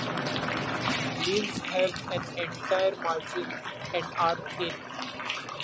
Leaves have an entire margin and are thin.